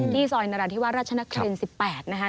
ที่ซอยนราธิวะรัชนครินทร์๑๘นะฮะ